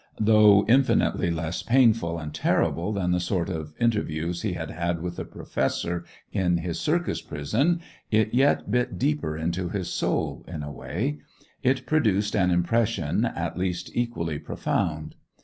Though infinitely less painful and terrible than the sort of interviews he had had with the Professor in his circus prison, it yet bit deeper into his soul, in a way; it produced an impression at least equally profound.